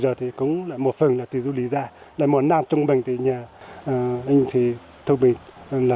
rồi thì cũng là một phần là tiền du lịch ra là một năm trung bình thì nhà anh thì thông bình là